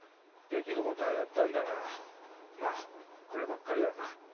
できる事はやったんだがまあこればっかりはな。